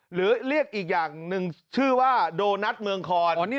หรือเรียกอีกอย่างหนึ่งชื่อว่าโดนัทเมืองคอน